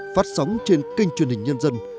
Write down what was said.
phát sóng trên kênh truyền hình nhân dân